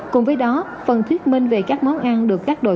cùng với đó phần thuyết minh về các món ăn được các đội